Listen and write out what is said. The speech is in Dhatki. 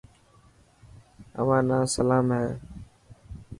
اوهان نا سلام هي.